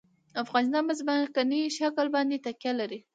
افغانستان په ځمکنی شکل باندې تکیه لري.